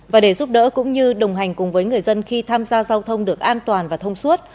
và để giúp đỡ cũng như đồng hành cùng với người dân khi tham gia giao thông được an toàn và thông suốt